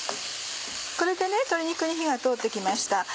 これで鶏肉に火が通って来ました。